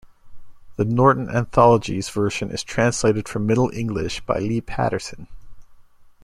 "The Norton Anthology"'s version is translated from Middle English by Lee Patterson.